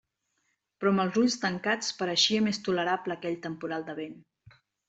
Però amb els ulls tancats pareixia més tolerable aquell temporal de vent.